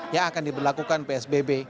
yang akan diberlakukan psbb